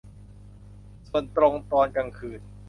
ส่วนตรงตอนกลางคืน